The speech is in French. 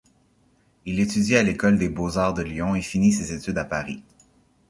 Il étudie à l'école des beaux-arts de Lyon et finit ses études à Paris.